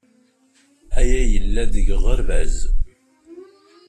Aya yella-d deg uɣerbaz.